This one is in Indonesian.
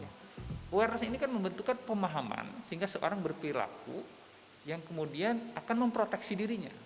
awareness ini kan membentukkan pemahaman sehingga seorang berperilaku yang kemudian akan memproteksi dirinya